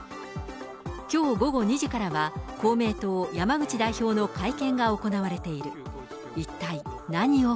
きょう午後２時からは、公明党、山口代表の会見が行われている。